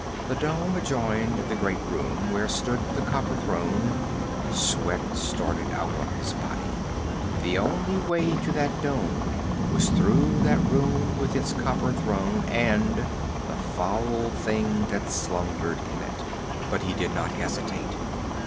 The dome adjoined the great room where stood the copper throne sweat started out on his body. The only way to that dome was through that room with its copper throne and the foul thing that slumbered in it. But he did not hesitate.